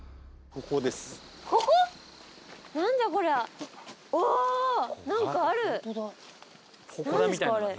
何ですかあれ。